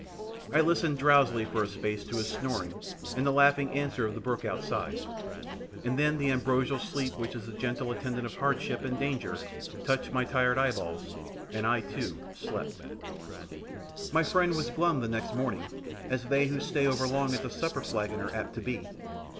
I listened drowsily for a space to his snoring and the laughing answer of the brook outside, and then that ambrosial sleep which is the gentle attendant of hardship and danger touched my tired eyelids, and I, too, slept. My friend was glum the next morning, as they who stay over long at the supper flagon are apt to be.